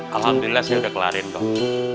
alhamdulillah saya udah kelarin dong